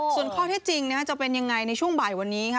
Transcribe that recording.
ส่วนข้อเท็จจริงจะเป็นยังไงในช่วงบ่ายวันนี้ค่ะ